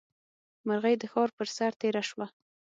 مرغۍ د ښار پر سر تېره شوه.